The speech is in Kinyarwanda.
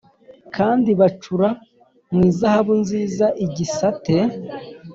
Kandi bacura mu izahabu nziza igisate